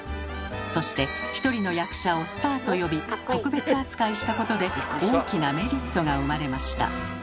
そして１人の役者をスターと呼び特別扱いしたことで大きなメリットが生まれました。